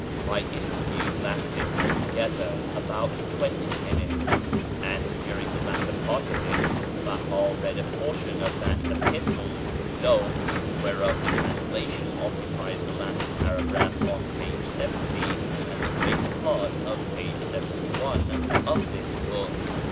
My interview lasted altogether about twenty minutes, [page xli] and during the latter part of it Behá read a portion of that epistle (lawu>h) whereof the translation occupies the last paragraph on p. 70 and the greater part of p. 71 of this book.